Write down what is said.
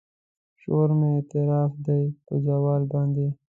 شور مې اعتراف دی په زوال باندې